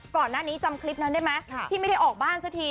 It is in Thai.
ก่อนหน้านี้จำคลิปนั้นได้ไหมที่ไม่ได้ออกบ้านสักที